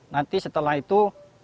nanti setelah itu